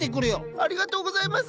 ありがとうございます！